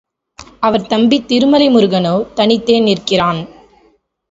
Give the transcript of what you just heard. அவர் தம்பி திருமலை முருகனோ தனித்தே நிற்கிறான்.